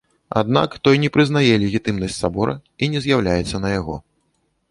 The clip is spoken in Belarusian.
Аднак той не прызнае легітымнасць сабора і не з'яўляецца на яго.